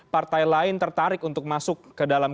partai lain tertarik untuk masuk ke dalam